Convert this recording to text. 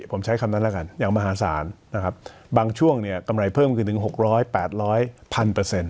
ผมใช้คำนั้นแล้วกันอย่างมหาศาลบางช่วงกำไรเพิ่มคือถึง๖๐๐๘๐๐พันเปอร์เซ็นต์